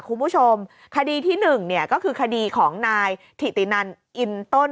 คุณผู้ชมคดีที่หนึ่งเนี่ยก็คือคดีของนายถิตินันอินต้น